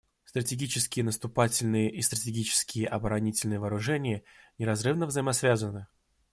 Стратегические наступательные и стратегические оборонительные вооружения неразрывно взаимосвязаны.